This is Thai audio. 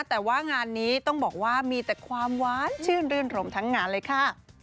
แต่ว่างานนี้ต้องบอกว่ามีแต่ความหวานชื่นรื่นรมทั้งงานเลยค่ะ